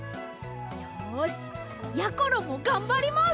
よしやころもがんばります！